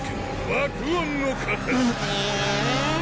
爆音の型！